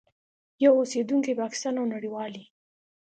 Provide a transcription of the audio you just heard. یو اوسېدونکی پاکستان او نړیوالي